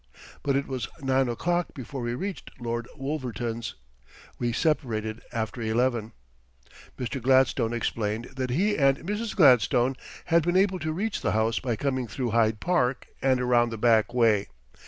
But it was nine o'clock before we reached Lord Wolverton's. We separated after eleven. Mr. Gladstone explained that he and Mrs. Gladstone had been able to reach the house by coming through Hyde Park and around the back way.